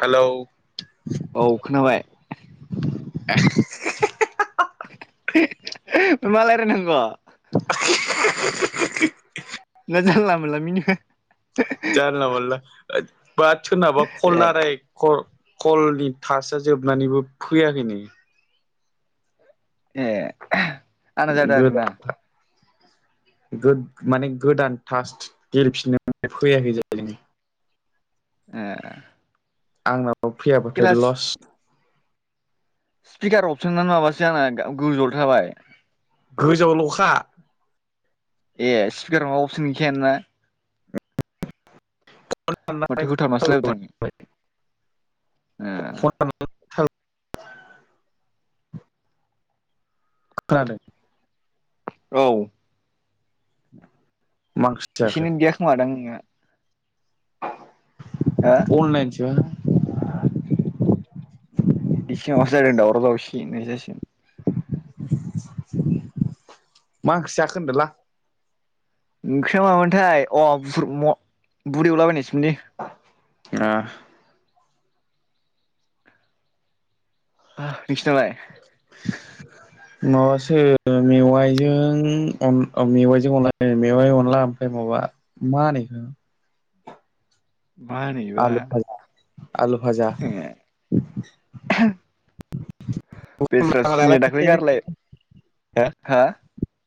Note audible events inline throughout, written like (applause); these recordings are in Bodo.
हेलौ औ खोनाबाय। मा लाराय नांग? मा जानला मानला मिनि जानला मानला ओद बाद सोरनाबा कल‌ ए लाराय खल कलनि थासआ जोबनानैबो फैयाखैनो। ए आना जदो आरो ना? गोद माने गोदान टास गेलेफिननो फैयाखै जाहैदों। ए आंनाव आव फैया बाथाय ल'स सिफिखार अपसनानो माबासो आना गोजौआवल' थाबाय। गोजौआव ल'खा। ए स्पिकार माबा अपसन गैखाया ना? माथो होथाबनासो लारायदों। फ (unintelligible) खोनादों। औ (inaudible) एसे जाखो नेद गैया खोमादां नोंना? हो अनलाइनसो बा बिसिङाव सो जागोन दावराव दावसि मोननायसो जासिगोन। मा ओंख्रि जाखो होनदोला? ओंख्रिया मामोनथाय अ' फुर म' बुद एवलाबायनायसो। ने नाआ आ नोंसिनालाय? माबासो मेवाइजों अन ओ मेवाइजों अनला मेवाइ अनला ओमफ्राय माबा मा होनो इखो मा होनो इबा फाजा आलु भाजा ए बेस्रा सुमिया दाख्लै गारलाय हा (unintelligible)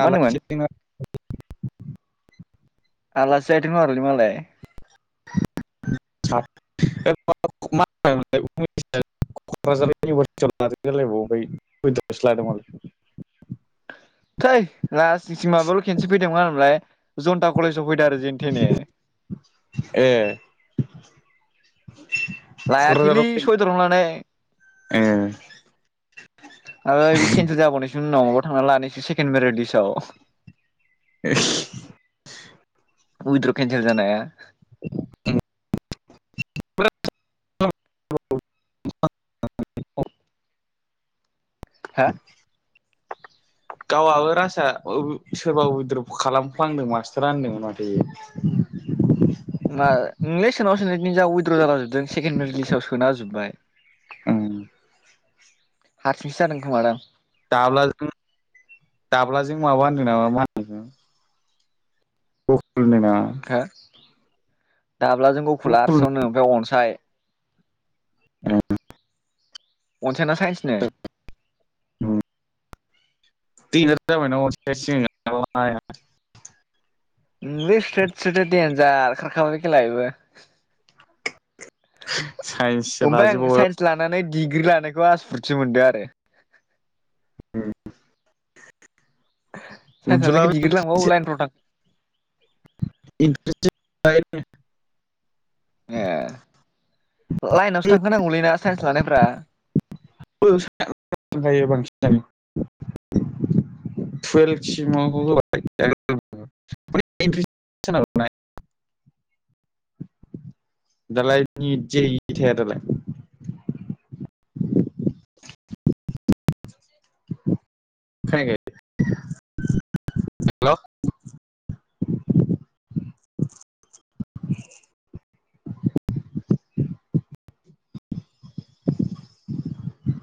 मा होनदोंमोन आलासि जाहैदोंखोमा आरलै मालाय (unintelligible) क'क्राझार इउनिभारसिटि लादों जालायबावो ओमफ्राय गहाटिआवसो लादोंमोनलै थै लासिंसिं माबाल' खेनसे फैदों मा होनोमोनलाय? जन्था कलेजाव फैदों आरो जेनथेने ए (inaudible) लायाखैलै क'क्राझाराव फै चयदुरावनो लानाय ए आरोबो केनसेल जाबावनोसै जोंनावबा थांनानै लानोसै सेकेण्ड मेरेड लिसआव (inaudible) उईद्र' केन्सेेल जानाया (unintelligible) हा (inaudible) गावाबो राजसा सोरबा उइद्र' खालामफ्लांदों मास्टारा होनदोंमोन माथो इयो। मा नोंलाय सोनाव सोनो जा उइद्र' जाला जोबदों सेकेणड मे लिस्टआव सोनाहोजोब्बाय। औ हारसिंसो जादों खोमादां दाब्लाजों दाब्लाजों माबा होनदों नामा मा होनो (unintelligible) ओंलै ना दाब्ला जों गखुल आरसावनो ओमफ्राय अनसाय औ अनसाय ना साइन्सनो (unintelligible) खामो खेला एबो साइन्ससो ओमफ्राय आं लाजोबबावबाय साइन्स लानानै डिग्रि ला नायखौ आस्रुत मोनदोआरो हम साइन्स जाखि दिगिरलांबा अ लाइन फ्राव थां इन्ट्रेस् (unintelligible) ए लाइनावसो थांखा नांगौलैना साइन्स लानायफ्रा टुवेल्भ सिमाव (unintelligible) दालाय निट जे इ इ थाया दालाय खोनायाखै हेलौ (inaudible)